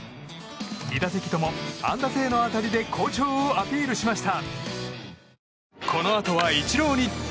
２打席とも安打性の当たりで好調をアピールしました。